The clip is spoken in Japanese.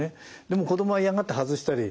でも子どもは嫌がって外したり。